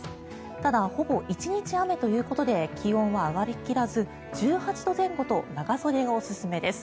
ただ、ほぼ１日雨ということで気温は上がり切らず１８度前後と長袖がおすすめです。